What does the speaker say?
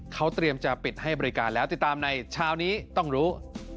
เขาเตรียมจะปิดให้บริการแล้วติดตามในเช้านี้ต้องรู้